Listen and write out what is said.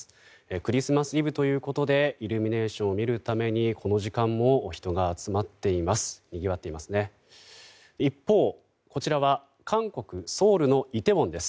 クリスマスイブということでイルミネーションを見るためにこの時間も人が集まっています。